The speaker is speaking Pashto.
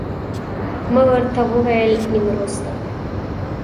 ما ورته وویل نیمروز ته.